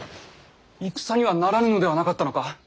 戦にはならぬのではなかったのか。